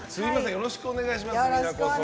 よろしくお願いします。